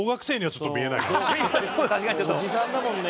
おじさんだもんね。